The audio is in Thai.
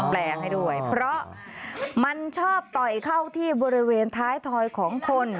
แปลงให้ด้วยเพราะมันชอบต่อยเข้าที่บริเวณท้ายถอยของคน